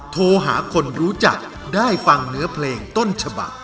โทรหาคนรู้จักได้ฟังเนื้อเพลงต้นฉบัก